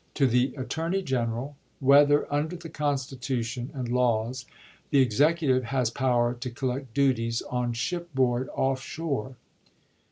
To the Attorney General, whether under the Constitution and laws the Executive has power to collect duties on shipboard off shore?